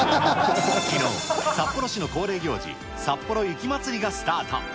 きのう、札幌市の恒例行事、さっぽろ雪まつりがスタート。